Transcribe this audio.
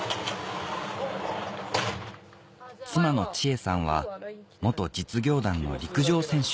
妻の千恵さんは実業団の陸上選手